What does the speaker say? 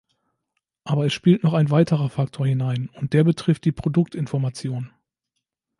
Aber es spielt noch ein weiterer Faktor hinein, und der betrifft die Produktinformation.